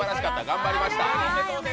頑張りました。